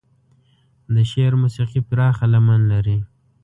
د شعر موسيقي پراخه لمن لري.